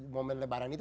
momen lebaran itu